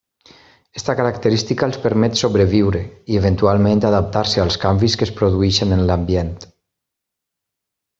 Aquesta característica els permet sobreviure i, eventualment, adaptar-se als canvis que es produeixen en l'ambient.